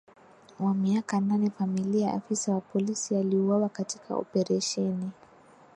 wa miaka nane FamiliaAfisa wa polisi aliuawa katika operesheni